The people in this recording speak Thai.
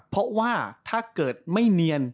เพราะว่าถ้าเกิดไม่เนียน